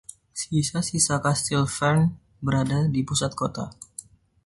Sisa-sisa Kastil Fern berada di pusat kota.